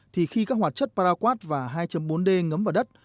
thì khi các hoạt chất paraquad và hai bốn d ngấm vào đất